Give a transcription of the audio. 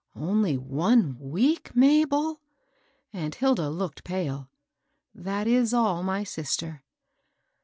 ^^ Only one week^ Mabel I " and Hilda locked pale. "That is all, my sister."